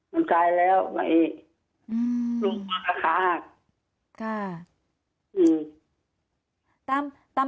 มันกลายแล้วเป็นประกาศ